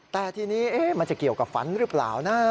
แต่ทีนี้มันจะเกี่ยวกับฝันหรือเปล่านะ